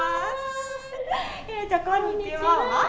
ひなちゃん「こんにちは」は？